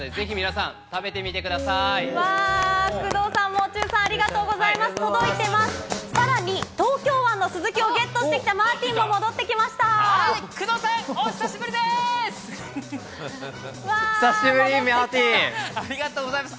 さらに、東京湾のスズキをゲットしてきたマーティンも戻ってきました。